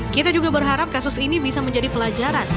kita juga berharap kasus ini bisa menjadi pelajaran